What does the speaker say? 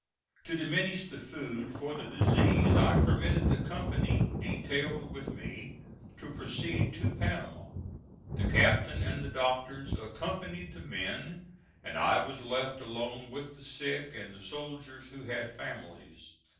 To diminish the food for the disease, I permitted the company detailed with me to proceed to Panama. The captain and the doctors accompanied the men, and I was left alone with the sick and the soldiers who had families.